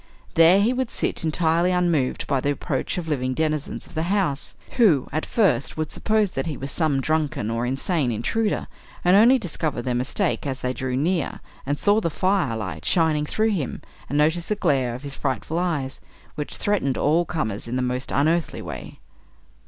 There he would sit entirely unmoved by the approach of living denizens of the house, who, at first, would suppose that he was some drunken or insane intruder, and only discover their mistake as they drew near, and saw the fire light shining through him, and notice the glare of his frightful eyes, which threatened all comers in a most unearthly way.